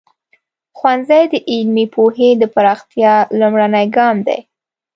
ښوونځی د علمي پوهې د پراختیا لومړنی ګام دی.